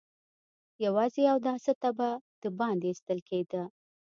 يواځې اوداسه ته به د باندې ايستل کېده.